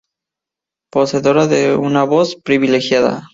Poseedora de una voz privilegiada.